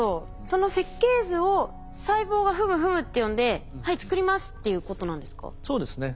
その設計図を細胞がフムフムって読んで「はい作ります」っていうことなんですか？